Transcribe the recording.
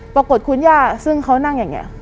ปรากฏคุณย่าซึ่งเขานั่งอย่างนี้